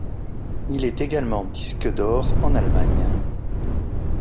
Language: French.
Il est également disque d'or en Allemagne.